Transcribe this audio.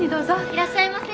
いらっしゃいませ。